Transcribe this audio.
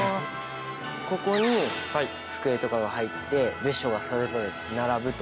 ここに机とかが入って部署がそれぞれ並ぶと？